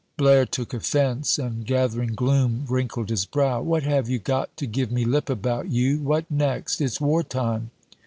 Blaire took offense, and gathering gloom wrinkled his brow. "What have you got to give me lip about, you? What next? It's war time.